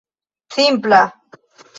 simpla